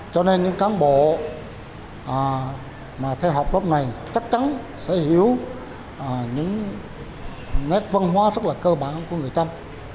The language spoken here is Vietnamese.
cho nên những cán bộ mà theo học lớp này chắc chắn sẽ hiểu những nét văn hóa rất là cơ bản của người trăm